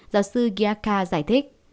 giáo sư ghiacca giáo sư